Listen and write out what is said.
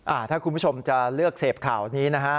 ถ้าคุณผู้ชมจะเลือกเสพข่าวนี้นะฮะ